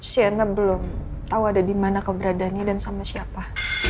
siana belum tahu ada di mana keberadaannya dan sama siapa